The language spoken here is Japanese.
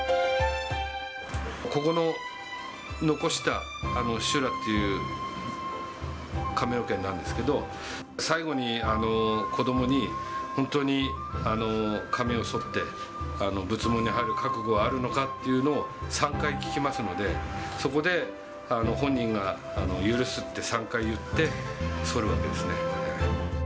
ここの残した周羅っていう髪の毛になるんですけど、最後に子どもに、本当に髪をそって仏門に入る覚悟はあるのかっていうのを３回聞きますので、そこで本人が許すって３回言って、そるんですね。